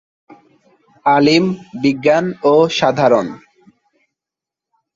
আলিম বিজ্ঞান ও সাধারণ।